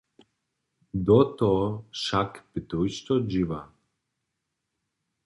Do toho wšak bě tójšto dźěła.